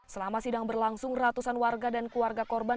selama sidang berlangsung ratusan warga dan keluarga korban